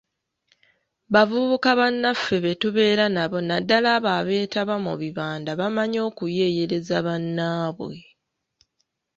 Bavubuka bannaffe be tubeera nabo naddala abo abeetaba mu bibanda bamanyi okuyeeyereza bannaabwe.